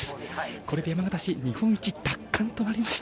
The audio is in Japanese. これで山形市、日本一奪還となりました。